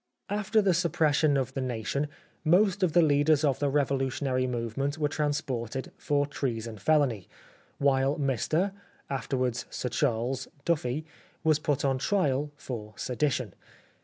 After the suppression of The Nation, most of the leaders of the revolutionary movement were transported for treason felony ; while Mr (after wards Sir Charles) Duffy was put on trial for sedition.